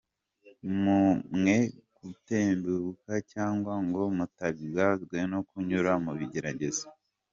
Mwe gutentebuka cyangwa ngo mutangazwe no kunyura mu bigeragezo.